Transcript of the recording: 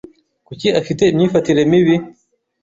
Kuki afite imyifatire mibi?